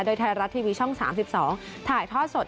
โดยไทยรัฐทีวีช่อง๓๒ถ่ายทอดสด